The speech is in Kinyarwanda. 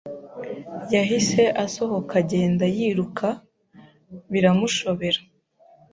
yahise asohoka agenda yiruka biramushobera